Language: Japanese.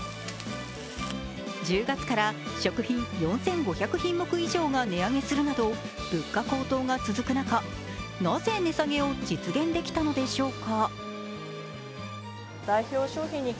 １０月から食品４５００品目以上が値上げするなど物価高騰が続く中、なぜ値下げを実現できたのでしょうか。